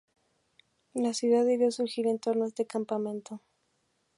La ciudad debió surgir en torno a este campamento.